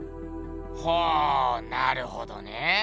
ほぉなるほどね。